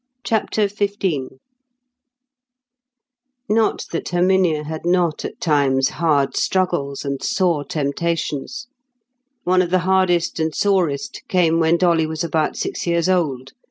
CHAPTER XV Not that Herminia had not at times hard struggles and sore temptations. One of the hardest and sorest came when Dolly was about six years old.